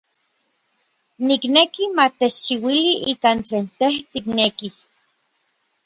Nikneki ma techchiuili ikan tlen tej tikneki.